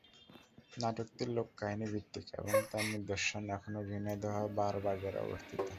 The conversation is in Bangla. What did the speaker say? নাটকটি লোক কাহিনি ভিত্তিক এবং তার নিদর্শন এখনো ঝিনাইদহ বার বাজারে অবস্থিত।